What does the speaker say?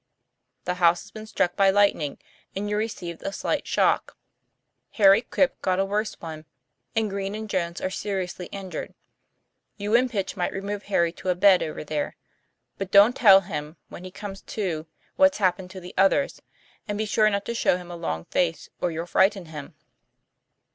' The house has been struck by lightning, and you received a slight shock. Harry Quip got a worse one, and Green and Jones are seriously injured. You and Pitch might remove Harry to a bed over there; but don't tell him, when he comes to, what's hap pened to the others, and be sure not to show him a long face, or you'll frighten him."